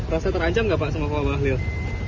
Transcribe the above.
rasa terancam gak pak sama pak bahlil